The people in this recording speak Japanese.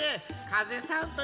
かぜさんだ。